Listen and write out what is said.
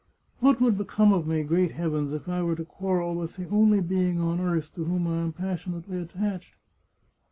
" What would be come of me, great heavens, if I were to quarrel with the only being on earth to whom I am passionately attached